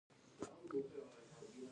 ټولنیز انتشار ونلري.